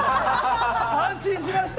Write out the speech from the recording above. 安心しました。